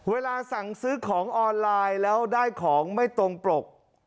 เวลาสั่งซื้อของออนไลน์แล้วได้ของไม่ตรงปก